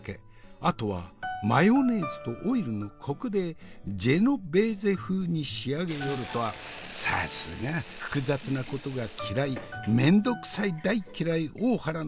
あとはマヨネーズとオイルのコクでジェノベーゼ風に仕上げよるとはさすが複雑なことが嫌い面倒くさい大っ嫌い大原の真骨頂！